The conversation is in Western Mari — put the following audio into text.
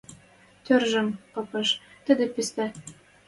— Тӧржӹм попаш, тӹдӹ пистӹ